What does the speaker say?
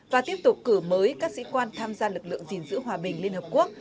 và tiếp tục cử mới các sĩ quan tham gia lực lượng gìn giữ hòa bình liên hợp quốc